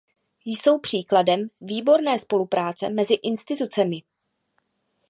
Jsou příkladem výborné spolupráce mezi institucemi.